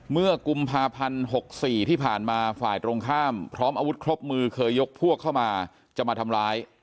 เมื่อกุมภาพันธ์๖๔ที่ผ่านมาฝ่ายตรงข้ามพร้อมอาวุธครบมือเคยยกพวกเข้ามาจะมาทำร้าย